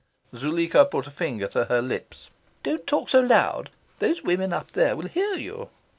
Zuleika put a finger to her lips. "Don't talk so loud. Those women up there will hear you.